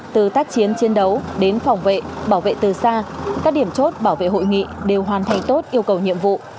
từ tác chiến chiến đấu đến phòng vệ bảo vệ từ xa các điểm chốt bảo vệ hội nghị đều hoàn thành tốt yêu cầu nhiệm vụ